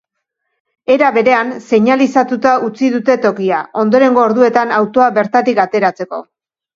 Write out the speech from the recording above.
Era berean, seinalizatuta utzi dute tokia, ondorengo orduetan autoa bertatik ateratzeko.